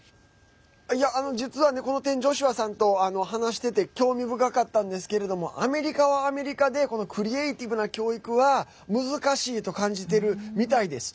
実はこの点ジョシュアさんと話してて興味深かったんですけれどもアメリカはアメリカでこのクリエーティブな教育は難しいと感じてるみたいです。